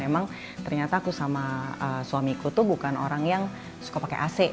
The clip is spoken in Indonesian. dan emang ternyata aku sama suamiku tuh bukan orang yang suka pakai ac